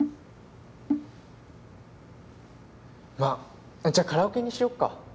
まっじゃカラオケにしよっか。